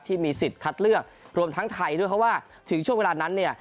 ที่มีสิทธิ์คัดเลือกรวมทั้งไทยด้วยเพราะว่าถึงช่วงเวลานั้นเนี่ย